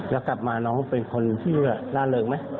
แล้วกลับมาน้องเป็นคนที่ล่าเริงไหม